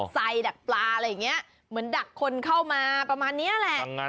ใส่ดักปลาอะไรอย่างนี้เหมือนดักคนเข้ามาประมาณนี้แหละ